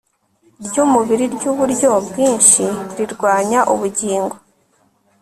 ryumubiri ryuburyo bwinshi rirwanya ubugingo